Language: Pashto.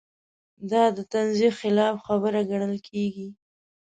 دا د تنزیې خلاف خبره ګڼل کېږي.